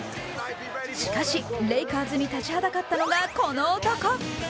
しかし、レイカーズに立ちはだかったのが、この男。